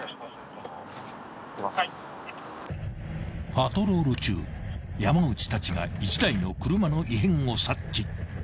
［パトロール中山内たちが１台の車の異変を察知］